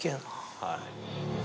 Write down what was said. はい。